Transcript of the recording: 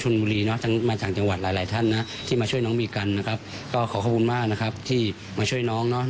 สาหัสนะอันนี้เด็กด้วย